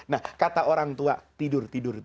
nah kata orang tua tidur tidur itu